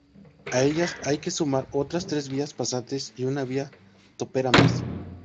A ellas hay que sumar otras tres vías pasantes y una vía topera más.